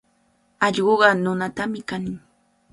Allquqa nunatami kanin.